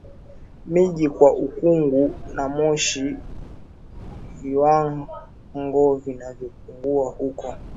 miji kwa ukungu na moshi Viwango vinavyopungua huko